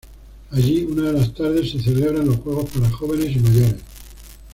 Allí, una de las tardes, se celebran los juegos para jóvenes y mayores.